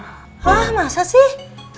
hah masa sih